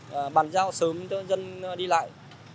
và bàn giao sớm cho dân đi lại